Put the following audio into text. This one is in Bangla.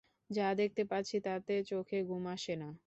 যা দেখতে পাচ্ছি তাতে চোখে ঘুম আসে না।